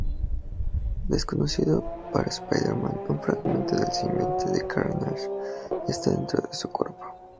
Desconocido para Spider-Man, un fragmento del simbionte de Carnage está dentro de su cuerpo.